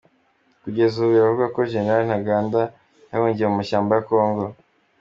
Kugeza ubu biravugwa ko Gen Ntaganda yahungiye mu mashyamba ya Congo.